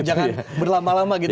jangan berlama lama gitu